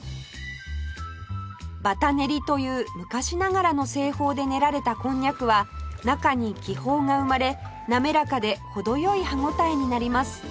バタ練りという昔ながらの製法で練られたこんにゃくは中に気泡が生まれなめらかで程良い歯応えになります